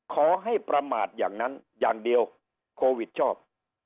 ขอให้ประมาทอย่างนั้นอย่างเดียวโควิดชอบ